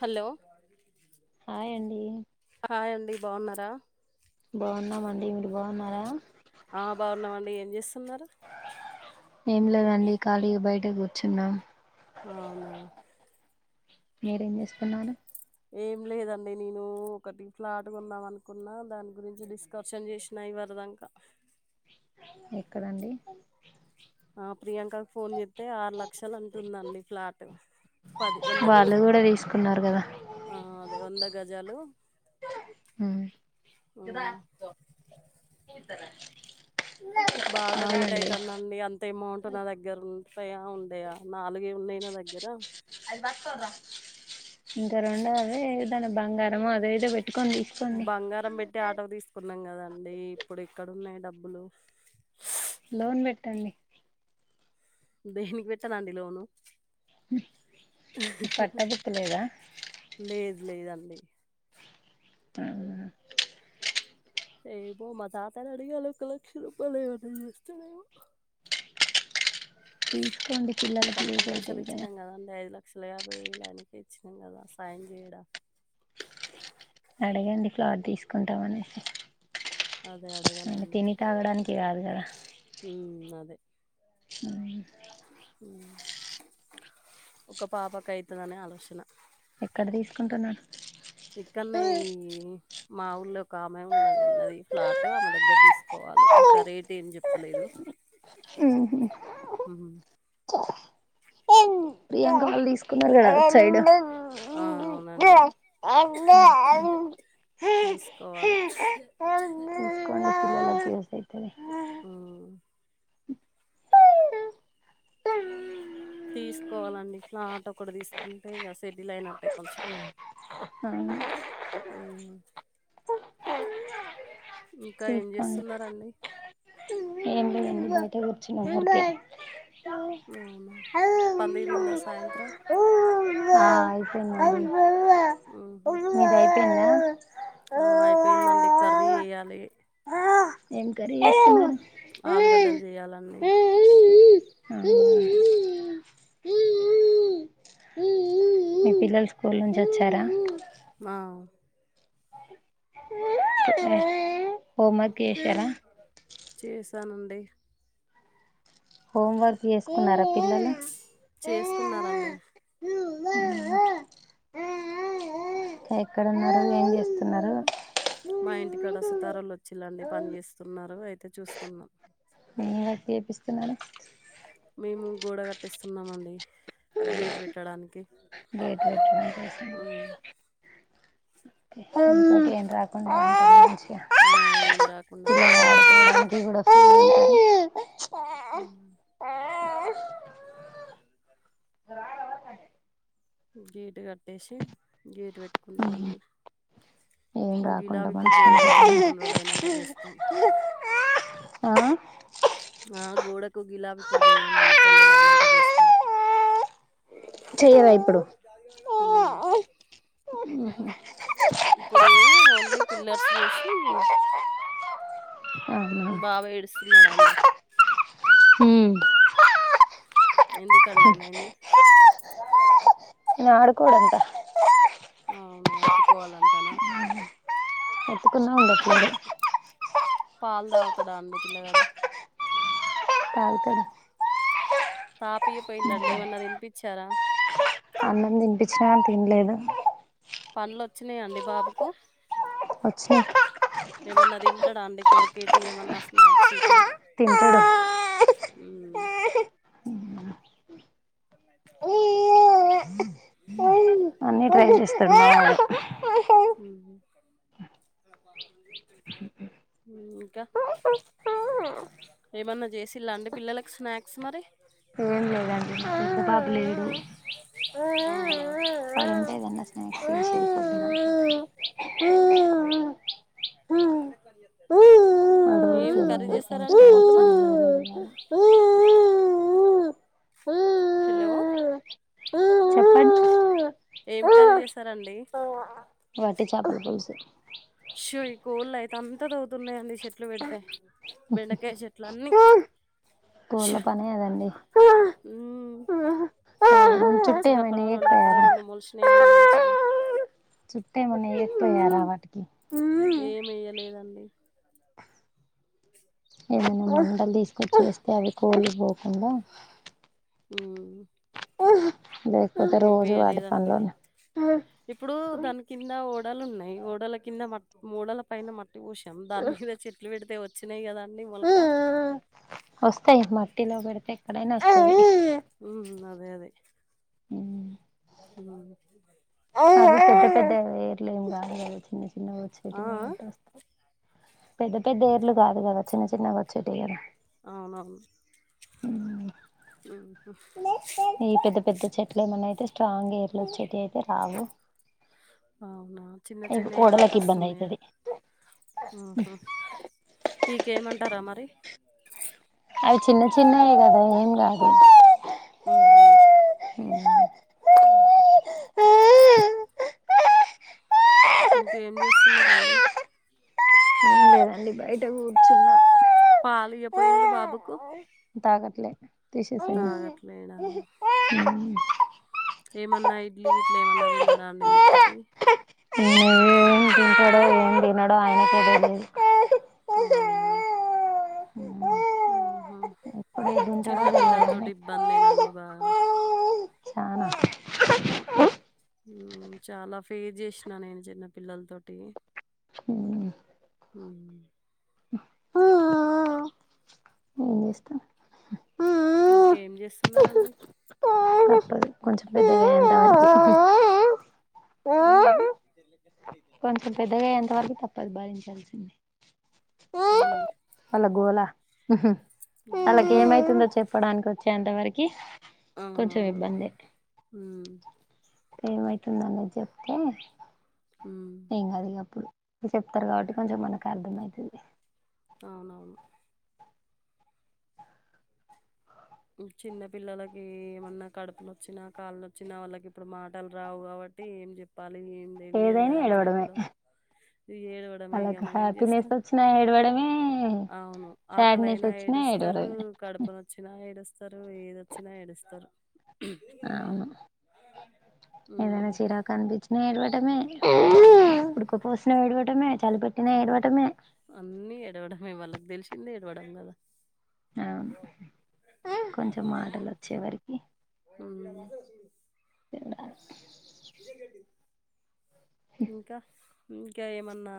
Hello hi అండి hi అండి బాగున్నారా బాగున్నామండి బాగున్నారా ఆ బాగున్నామండి ఏం చేస్తున్నారు ఏం లేదండి ఖాళీగా బయట కూర్చున్నా ఆ అవునా మీరేం చేస్తున్నారూ ఏం లేదండి నేను ఒకటి ఫ్లాట్ కొందాం అనుకున్నా దాని గురించి డిస్ కర్షన్ చేసినా ఇవరదాంక ఎక్కడండి ఆ ప్రియాంక కి ఫోన్ చేస్తే ఆరు లక్షలు అంటుందండి ఫ్లాట్ పది వందా గుం వాళ్ళు కూడా తీసుకున్నారు కదా ఆ అదే వంద గజాలు తార బాగా రేట్ అయితదండి అంత ఎమౌంట్ నా దగ్గర ఉంటయా ఉండయా నాలుగే ఉన్నాయి నా దగ్గర ఇంకా రెండ అదే ఏదన్నా బంగారము అదే ఏదో పెట్టుకోండి బంగారం పెట్టి ఆటో తీసుకున్నాం కదండి ఇప్పుడు ఎక్కడున్నాయి డబ్బులు లోన్ పెట్టండి దేనికి పెట్టనండి లోను పట్టబుక్ లేదా ప్లేజ్ లేదండి అ ఏమో మా తాతను అడిగ్యను ఒక లక్ష రూపాయలు ఇవ్వమని ఇస్తారేమో తీసుకోండి పిల్లలకి కట్నం యూజ్ పైస అవుతది ఇచ్చితాం కదా అండి అ ఐదులో లక్షల యాభై వేళా ఆయనకి ఇచ్చినాం కదా సాయం చేయడా అడగండి ఫ్లాట్ తీసుకుంటాం అనేసి అదే అ అడగాలండి తిని తాగడానికి కాదు కదా ఉమ్ అదే ఉమ్ ఒక పాపకి అయితదానే ఆలోచన ఎక్కడ తీసుకుంటున్నారూ ఇక్కడనే ఈ మా ఊళ్ళ ఒక ఆమె ఉన్నది అన్నది ఫ్లాట్ ఆమె దగ్గర తీసుకోవాలి ఇంకా రేట్ ఏం చెప్తలేదు చె హామ్ హమ్ ప్రియాంక వాళ్ళు తీసుకున్నారు కదా అటూ సైడ్ ఆ అే అవునండి అ తీసుకోవాలి పిల్లలకు యూస్ అయితది హామ్ అవును తీసుకోవాలండి ఫ్లాట్ ఒకటి తీసుకుంటే ఇక సెటిల్ అయినట్టే కొంచెం అవునా ఉమ్ ఇంకా ఏం తీసుకోండి చేస్తున్నారండి ఏం లేదండి బయటకు వచ్చినాక అవునా [unintelligible] హ ఆ పందిరిందా సాయంత్రం అయిపోయిందండి ఉహు. మీది అయిపోయిందా ఆ, అయిపోయిందండి కర్రీ చేయాలి ఏం కర్రీ ఉ ఆలుగడ్డలు చేయాలండి ఉ మీ పిల్లలు స్కూల్ నుంచి వచ్చారా. ఆ. డు హోంవర్క్ ఏశ్యర. చేశానండి. హోం వర్క్ చేస్తున్నారా పిల్లలు. చేసుకున్నారండి. ఇంకా ఎక్కడన్నారు ఏం చేస్తున్నారు. మా ఇంటికాడ సుతారలు వచ్చిలాండి పని చేస్తున్నారు అయితే చూస్తున్నాం. నే వక్తి చేపిస్తున్నాను మేము గోడ కట్టిస్తున్నామండి. గేట్ పెట్టడానికి. గేట్ పెట్టడం కోసం ఆ, ఏమి రాకుండా కడుతున్నామండి [unintelligible] ఉ. ఉంటది చ రాగవతనే. గేటు కట్టేసి గేటు పెట్టుకుంటాం అన్నీ. ఏం రాకుండా మ రోజులు అయినాక చేస్తాం ఆ. ఆ గోడకు గిలాబ ఇప్పుడు చేయమండి కొన్ని రోజు అయినాక చేస్తాం. చెయ్యవా ఇప్పుడు ఊ. ఇప్పుడు ఓన్లీ పిల్లర్స్ పోసి. అవునా బాబ ఏడుస్తున్నాడా అండి. ఉ. ఎందుకండీ మరి. న ఆడుకోడంత. అవునా ఎత్తుకోవాలంటానా. ఎతుకున్నా ఉండట్లేదు. పాలు తాగుతాడా అండి పిల్లగాడు. తాగుతడు. తాపియపోయిల్ళండి ఏమన్నా తినిపించారా. అన్నం తినిపించినా అని తినలేదు. పన్న్లువచ్చినాయండి బాబుకు. వచ్చినయ్. ఏమన్నా తింటాడా అండి కొరికేటి ఏమన్నా స్నాక్స్ ఇట్లా. తింటడు. ఉ. న్నీ ట్రై చేస్తడు. ఊ ఉ ఉ ఇంకా. ఏం ఏమన్న చేసిల్ల అండి పిల్లలకు స్నాక్స్ మరి. ఏం లేదండి. పెద్ద బాబు లేడు. అవునా వాడుంటే ఏదన్నా స్నాక్స్ ఊ హు. మూ ఊ ఏం అడవులకి కర్రీ చేస్తారండి పొద్దున. ఊ ఉ ఊ ఉ హెలో చెప్పండ్ ఏం కర్రి చేసారండి వట్టి చాపల పులుసు ఈ కోళ్ళయితే అంత తొవ్వుతున్నాయండి చెట్లు పెడితే బెండకాయ చెట్లన్నీ కోళ్ళ పనే అదండి మ్మ్ చుట్టూ మంచిగా ఏమైనా అక్కడో రొండు అక్కడో ఎయ్యకపోయారా రొండు మొల్షినయండి మంచిగా చుట్టేమ్మన్నా ఎయకపోయార వాటికి ఏమెయ్యలేదండి ఎమనిమస్ దాన్ తీసుకొచ్చేస్తే అవి కోళ్లు ఫోకుండా ఊ లేకపోతే రోజు వాటి వేయలేదండి పన్లోనే ఇప్పుడు దాని కింద ఓడలున్నయి ఓడల కింద మట్ ఓడల పైన మట్టి పోశాం దాని ఆ మీద చెట్ బెడితే వచ్చినయి గదండి మొల్క వస్తయి మట్టిలోబెడతే ఎక్కడైనా వస్తయి ఉ అదే అదే పెద్ద పెద్ద ఏర్లేం గాదు గదా చిన్న చిన్న ఆ? ఆ? గొచ్చేటివి గాబట్టి వస్తాయి పెద్ద పెద్ద ఓర్లు గాదు గదా చిన్న చిన్న గొచ్చేటియి గదా అవునవున్ ఈ పెద్ద పెద్ద చెట్లు ఏమన్నా అయితే స్ట్రాంగ్ ఏర్లు వొచ్చేటియి అయితే రావు అవునా చిన్న ఇవి చిన్నయి గాబట్టి ఓడలకు ఇబ్బంది వొస్తున్నయా అయితది ఊహు పీకేయమంటారా మరి అవి చిన్న చిన్నయే గదా ఏం గాదు ఊ ఉ ఊ ఊహు ఇంకేజేస్తున్నరండి ఏంలేదండి బయట కూర్చున్న పాలు ఇయ్యకపొయిల్లు బాబుకు తాగట్లే తీషేసిం తాగట్లేడా? ఏమన్నా ఇడ్లీ గిట్ల ఏమన్నా దినడా అండి మెత్తటి ఏం తింటడో ఏం దినడో ఆయనకె దెలీదు అవునా ఎప్పుడు ఏది తింటాడో చిన్న తెల్వదు పిల్లల తోటి ఆయనకి ఇబ్బందేనండి బా చాన ఊ చాలా ఫేస్ చేషినా నేను చిన్న పిల్లల్ తోటి ఊ ఊ ఏం చేస్తా ఇంకేం చేస్తున్నరండి కొంచం పెద్దగైన మ్మ్ఁ మ్ఁ కొంచెం పెద్దగా అయేంత వరకు తప్పదు భరించాల్సిందే అవునండి వాళ్ళ గోల వాళ్ళకి ఉహుం. ఏమైతుందో చెప్పడానికి వచ్చేంత వరకి కొంచెం అవునవును ఇబ్బందే హ్మ్ఁ ఏమైతుందొ అనేది చెప్తే ఉమ్ ఏం గాదిగ అప్పుడు చెప్తరు కాబట్టి కొంచెం మనకు అర్థమయితది. అవునవును చిన్న పిల్లలకి ఏమన్న కడుపులు నొచ్చిన, కాళ్లు నొచ్చిన, వాళ్ళకి ఇప్పుడు మాటలు రావు కాబట్టి ఏం చెప్ పాలి ఏం తెలియదు ఏదైనా గదా మనకు ఏడవడమే గూడ ఇగ ఏడవడమే ఇగ మనం ఏం చేస్త చ్చిన ఏడవడమే అవును సాడ్నెస్ ఆకలైనా వచ్చినా ఏడుస్తరూ ఏడవడమే కడు పు నొచ్చిన ఏడుస్తరు, ఏది వచ్చిన ఏడుస్తరు. అవును ఏదైన ఉమ్ చీరాకు అనిపించిన ఏడవటమే అవును ఉడక పోసిన ఏడవటమే చెలి పె మ్ఁ అన్నీ ఏడవడమే వాళ్ళకి తెలిసింది ఏడవడం కదా! అవును కొంచెం మాటలు వచ్చే వరికి మ్మ్ఁ ఏడవాలి ఇదే గంటి ఇంక ఇంకా ఏమన్నా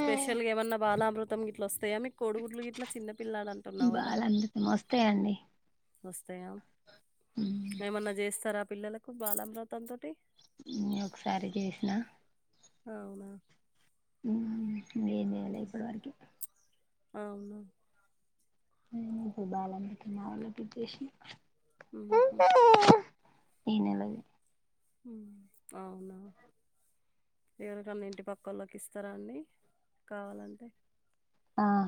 స్పెషల్గా ఏమన్న బాలామృ త్తం గిట్ల వస్తయా మీక్ కోడు గుడ్లు గిట్ల చిన్న పిల్లల బాలామృతం వస్తయండి వస్తయా ఏమన్న చేస్తరా పిల్లలకు బాలమృతం తోటి మ్ ఒకసారి జేసిన అవునా మ్ఁ ఇగెం జెరూసలేం ఇప్పటి వరకి అవున మ్మ్ ఇప్పుడు బాలామృతం మా వాళ్లకు గిట్లేసి మ్మ్ హు ఈ నెలది మ్ఁ అవునా ఏవిటన్న ఇంటి పక్కోల్లకి ఇస్తరా అడి కావాలంటే? ఆఁ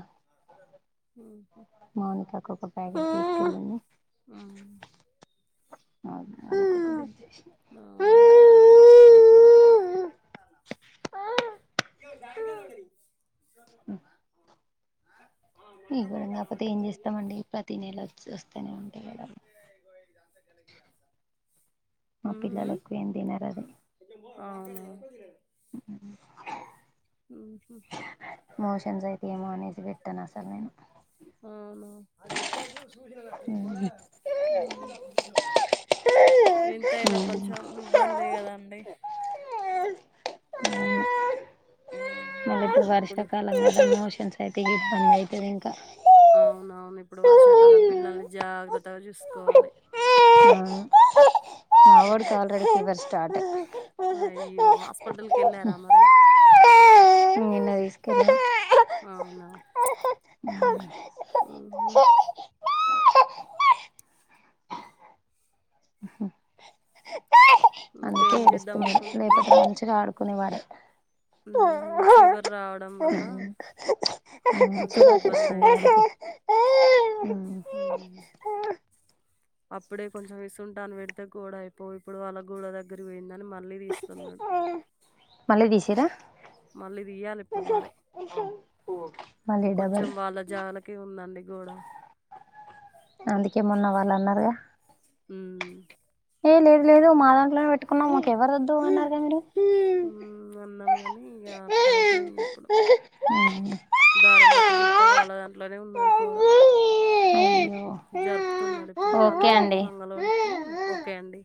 మ్ఁ హ్ఁ మౌనికాకు ఒక ప్యాకెట్ ఇస్తానండి ఉమ్, [inaudible] అవునా ఇయ జారంగా నోడి ఇవ్వడం కాకపోతే ఏం చేస్తమండి ప్రతి నెల వస్తనే ఉంటయి నంతే ఇ ఇద అంత గలకి అంత మా పిల్లలు ఎక్కువ ఏం తినరు అది అవున ఉహు మోషన్స్ అయితే ఏమో అనేసి పెట్టను అసలు నేను అవునా ఆడికి కెట్టికెళ్తం చూసిన ఈ గోల ఉమ్ మ్ జూస అప్పుడు ఎంతయినా కొంచెం ఇబ్బందే ఉమ్. కదాండి ఉమ్ మళ్ళ ఇప్పుడు వర్ష కాలం మోషన్స్ అయితయి ఇబ్బంది అయితది ఇంకా అవునవును ఇప్పుడు వర్షాకాలం పిల్లల్ని జాగ్రత్తగా చూసుకోవాలి మా వోడికి ఆల్రెడీ ఫీవర్ స్టార్ట్ అయ్పోయి ఆయ్యో హాస్పిటల్కి ఎళ్ళరా మరి నిన్న తీసుకెళ్ళాం అవునా మ్ హు అందుకే ఇంకేం చేద్దాం ఏడుస్తున్నాడు లేపోతే అనుకుంటున్నారు మంచిగ ఆడుకునేవాడు హ్మ్ ఫీవర్ రావడం వల్ల ఇ కొంచెం ఇబ్బంది అయిందా ఉమ్. అప్పుడే కొంచెం ఇసుంటాను పెడితే గోడ అయిపోవు ఇప్పుడు అళ్ళ గూడ దగ్గర పోయిందని మళ్ళీ తీస్తున్నాడు మళ్ళీ తిసిర్రా మళ్ళీదియ్యాలి ఇప్పుడు మరి మళ్ళీ డబల్ కొంచెం వాళ్ళ జాలకి ఉందండి గోడ అందుకేమన్నా వాళ్ళు అన్నారుగా హ్మ్. ఏ లేదు లేదు మా దాంట్లోనే పెట్టుకున్నాం మాకు ఎవరు వద్దు అన్నారుగ మీరు హ్మ్ అన్నాం అని ఇగ అట్లా అయిపోయింది ఇప్పుడు దారం బట్టి చుస్తే వాళ్ళ దాంట్లోనే ఉన్నది గోడ అయ్యో జరుపుతున్నాడు ఇప్పుడు ఓకే పన్లేని అండి మంగళోడికి ఓకే అండి